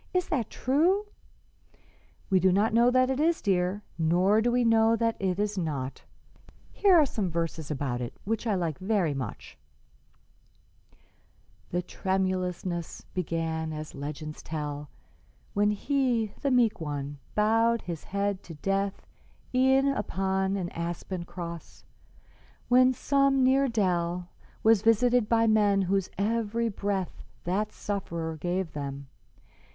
"Is that true?" "We do not know that it is, dear, nor do we know that it is not. Here are some verses about it which I like very much: "'The tremulousness began, as legends tell, When he, the meek One, bowed his head to death E'en on an aspen cross, when some near dell Was visited by men whose every breath That Sufferer gave them.